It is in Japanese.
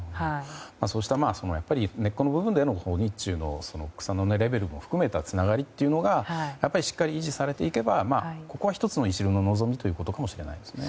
そうした根っこの部分での日中の草の根レベルも含めたつながりというのがしっかり維持されていけばここがいちるの望みかもしれないですね。